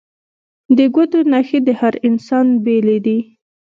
د ګوتو نښې د هر انسان بیلې دي